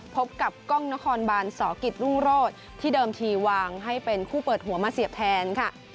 พบกับกล้องนครบานสกิจรุ่งโรศที่เดิมทีวางให้เป็นคู่เปิดหัวมาเสียบแทนค่ะ